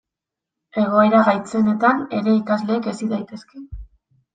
Egoera gaitzenetan ere ikasleak hezi daitezke.